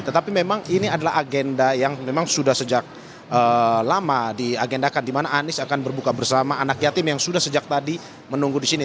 tetapi memang ini adalah agenda yang memang sudah sejak lama diagendakan di mana anies akan berbuka bersama anak yatim yang sudah sejak tadi menunggu di sini